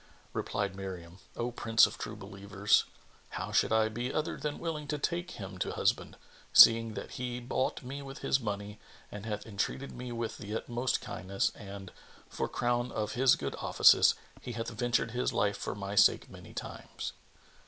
Replied Miriam, "O Prince of True Believers, how should I be other than willing to take him to husband, seeing that he bought me with his money and hath entreated me with the utmost kindness and, for crown of his good offices, he hath ventured his life for my sake many times?"